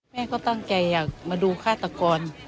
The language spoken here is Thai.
แม่ก็ตั้งใจอยากมาดูฆาตกร